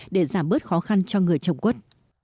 để giảm bớt khó khăn cho người chồng quất